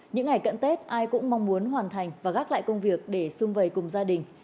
những ngày cận tết ai cũng mong muốn hoàn thành và gác lại công việc để xung vầy cùng gia đình